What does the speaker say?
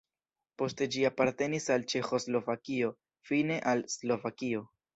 Poste ĝi apartenis al Ĉeĥoslovakio, fine al Slovakio.